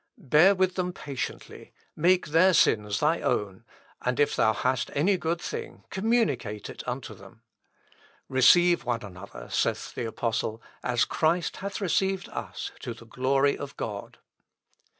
Bear with them patiently, make their sins thy own, and if thou hast any thing good, communicate it unto them. Receive one another, saith the Apostle, as Christ hath received us to the glory of God.